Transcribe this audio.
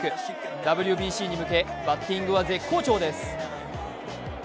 ＷＢＣに向けバッティングは絶好調です。